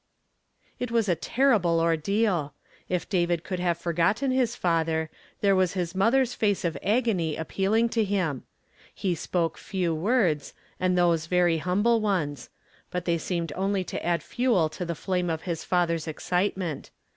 It was a terrible ordeal. If David could have forgotten his father, there was his mother's face of agony appealing to him. He spoke few words and those very humble ones ; but they seemed only to add fuel to the flame of his father's excitement.